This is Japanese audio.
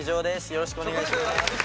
よろしくお願いします。